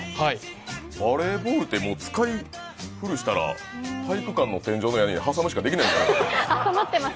バレーボールって使い古したら体育館の天井の上に挟むしかできないですけど。